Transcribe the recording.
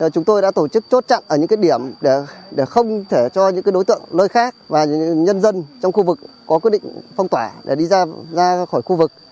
chúng tôi đã tổ chức chốt chặn ở những điểm để không thể cho những đối tượng nơi khác và nhân dân trong khu vực có quyết định phong tỏa để đi ra khỏi khu vực